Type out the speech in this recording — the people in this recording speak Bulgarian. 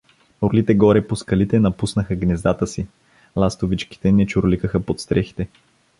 Орлите горе по скалите напуснаха гнездата си, ластовички не чуруликат под стрехите.